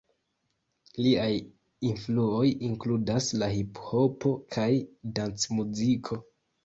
Liaj influoj inkludas la hiphopo kaj dancmuziko.